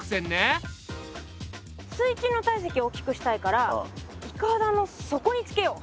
水中の体積をおっきくしたいからいかだのそこにつけよう。